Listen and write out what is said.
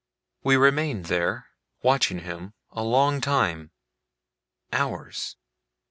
We remained there, watching him, a long time hours.